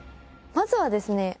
まずはですね